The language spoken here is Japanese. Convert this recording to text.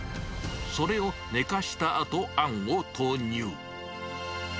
それを寝かせたあと、あんを投入。